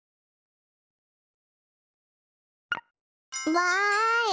わい！